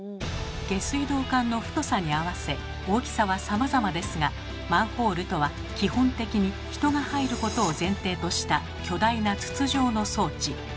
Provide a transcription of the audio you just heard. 下水道管の太さに合わせ大きさはさまざまですがマンホールとは基本的に人が入ることを前提とした巨大な筒状の装置。